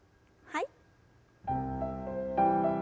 はい。